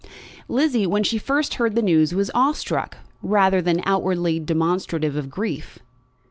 Lizzie, when she first heard the news, was awe struck, rather than outwardly demonstrative of grief.